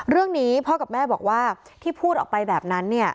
เรื่องนี้พ่อกับแม่บอกว่าที่พูดออกไปแบบนั้น